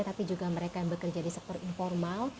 tapi juga mereka yang bekerja di sektor informal